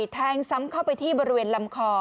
แทงซ้ำเข้าไปที่บริเวณลำคอ